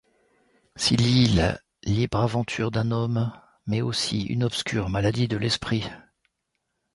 S'y lit la libre aventure d'un homme, mais aussi une obscure maladie de l'esprit.